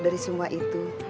dari semua itu